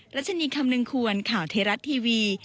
รัชนีคำนึงควรข่าวไทยรัฐทีวี